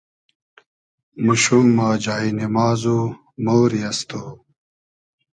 موشوم ما جای نیماز و مۉری از تو